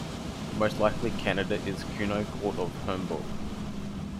The most likely candidate is Kuno, Count of Horburg.